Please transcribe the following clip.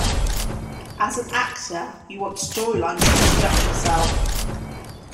As an actor you want storylines to stretch yourself.